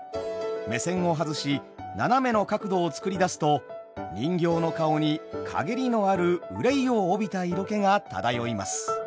目線を外し斜めの角度を作り出すと人形の顔に陰りのある憂いを帯びた色気が漂います。